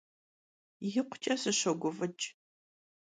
Yikhuç'e sışoguf'ıç'.